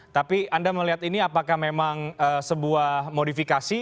tapi anda melihat ini apakah memang sebuah modifikasi